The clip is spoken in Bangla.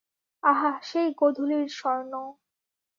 আহা, সেই গোধূলির স্বর্ণ!